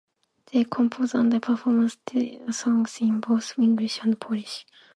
They compose and perform their songs in both English and Polish.